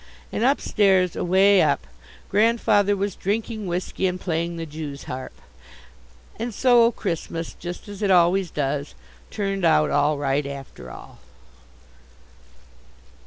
And upstairs away up Grandfather was drinking whisky and playing the Jew's harp. And so Christmas, just as it always does, turned out all right after all.